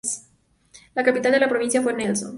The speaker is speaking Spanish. La capital de la provincia fue Nelson.